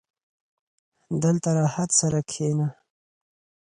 • دلته راحت سره کښېنه.